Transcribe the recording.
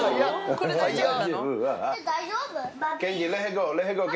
これ、大丈夫？